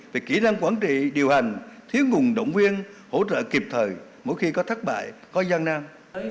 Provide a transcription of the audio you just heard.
về kỹ năng quản trị điều hành thiếu nguồn động viên hỗ trợ kịp thời mỗi khi có thất bại có gian nam